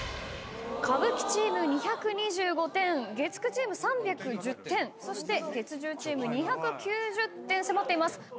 歌舞伎チーム２２５点月９チーム３１０点そして月１０チーム２９０点迫っています。